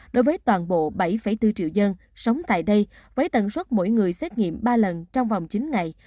đối với toàn bộ bảy bốn triệu dân sống tại đây với tần suất mỗi người xét nghiệm ba lần trong vòng chín ngày